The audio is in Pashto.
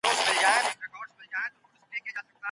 تخلیقي ادب به تل ژوندئ پاتې سي.